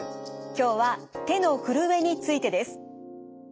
今日は手のふるえについてです。